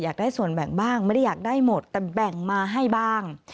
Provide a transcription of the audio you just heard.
อยากได้ส่วนแบ่งบ้างไม่ได้อยากได้หมดแต่แบ่งมาให้บ้าง